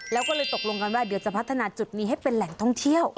แล้วก็เลยตกลงกันว่าเดี๋ยวจะพัฒนาจุดนี้ให้เป็นแหล่งท่องเที่ยว